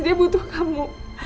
dia butuh kamu